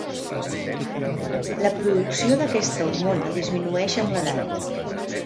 La producció d'aquesta hormona disminueix amb l'edat.